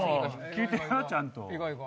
聞いてやちゃんと。